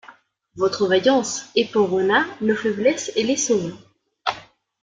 Votre vaillance éperonna nos faiblesses et les sauva!